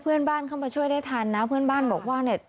เพื่อนบ้านเข้ามาช่วยได้ทันนะเพื่อนบ้านบอกว่าเนี่ย